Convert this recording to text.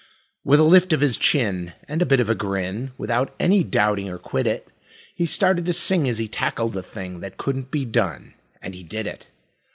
With a lift of his chin and a bit of a grin, Without any doubting or quiddit, He started to sing as he tackled the thing That couldn't be done, and he did it.